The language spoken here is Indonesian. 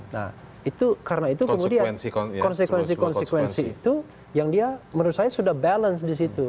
nah itu karena itu kemudian konsekuensi konsekuensi itu yang dia menurut saya sudah balance di situ